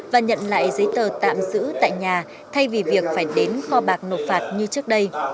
và nhận lại giấy tờ tạm giữ tại nhà thay vì việc phải đến kho bạc nộp phạt như trước đây